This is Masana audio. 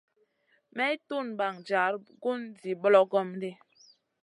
May tun ɓaŋ jar gun zi ɓlogom ɗi.